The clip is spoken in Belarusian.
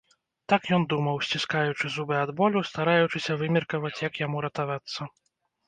Так ён думаў, сціскаючы зубы ад болю, стараючыся вымеркаваць, як яму ратавацца.